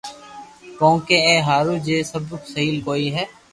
ڪونڪھ اج ھاوري مي سبب سھي ڪوئئي ھوئي